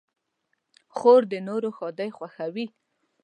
خور د نورو ښادۍ خوښوي.